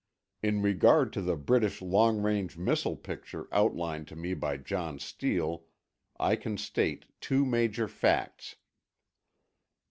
In regard to the British long range missile picture outlined to me by John Steele, I can state two major facts: 1.